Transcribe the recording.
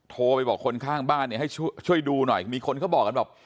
โทรไปบอกคนข้างบ้านเนี่ยให้ช่วยดูหน่อยมีคนเขาบอกกันบอก